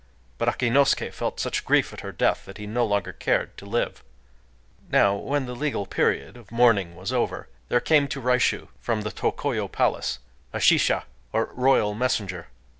But Akinosuké felt such grief at her death that he no longer cared to live. Now when the legal period of mourning was over, there came to Raishū, from the Tokoyo palace, a shisha, or royal messenger.